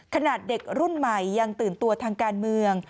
ขนาดเด็กรุ่นใหม่ยังตื่นตัวทางการเมือง